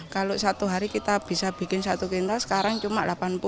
kalau satu hari kita bisa bikin satu kental sekarang cuma delapan puluh